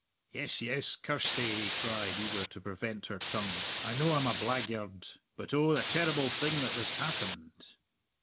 "Yes, yes, Kirsty," he cried, eager to prevent her tongue, "I know I'm a blagyird; but oh, the terrible thing that has happened!"